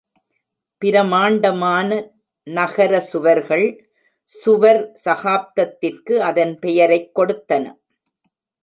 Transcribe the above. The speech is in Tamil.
பிரமாண்டமான நகர சுவர்கள் சுவர் சகாப்தத்திற்கு அதன் பெயரைக் கொடுத்தன.